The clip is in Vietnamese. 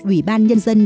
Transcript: ủy ban nhân dân